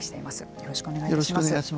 よろしくお願いします。